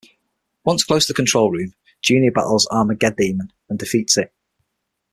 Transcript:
Once close to the control room, Junior battles Armaggeddemon, and defeats it.